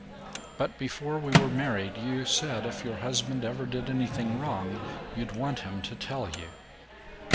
"But before we were married you said if your husband ever did anything wrong, you'd want him to tell you."